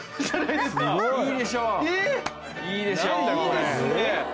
いいですね。